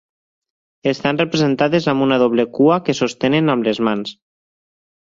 Estan representades amb una doble cua que sostenen amb les mans.